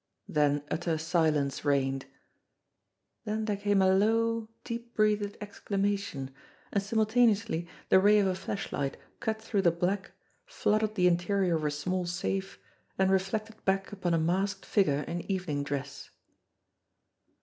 Then utter silence reigned; then there came a low, deep breathed exclamation, and simultaneously the ray of a flashlight cut through the black, flooded the interior of a small safe, and reflected back upon a masked figure in evening dress.